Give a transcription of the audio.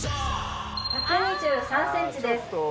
１２３ｃｍです。